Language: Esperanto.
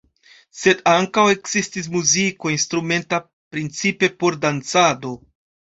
Sed ankaŭ ekzistis muziko instrumenta, principe por dancado.